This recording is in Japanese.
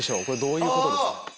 これどういうことですか？